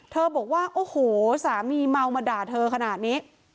บอกว่าโอ้โหสามีเมามาด่าเธอขนาดนี้